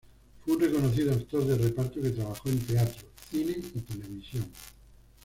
Fue un reconocido actor de reparto que trabajó en teatro, cine y televisión.